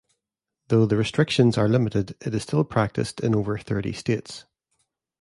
Though the restrictions are limited, it is still practiced in over thirty states.